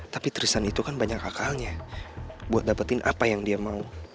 tapi turisan itu kan banyak akalnya buat dapetin apa yang dia mau